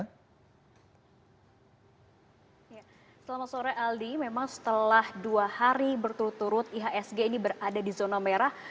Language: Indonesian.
selamat sore aldi memang setelah dua hari berturut turut ihsg ini berada di zona merah